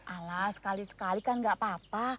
ala sekali sekali kan gak apa apa